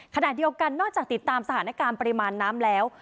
ขณะเดียวกันนอกจากติดตามสถานการณ์ปริมาณน้ำแล้ว